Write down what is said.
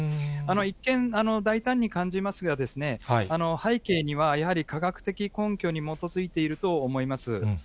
一見、大胆に感じますが、背景には、やはり科学的根拠に基づいていると思います。